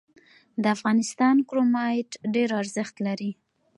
د افغانستان کرومایټ ډیر ارزښت لري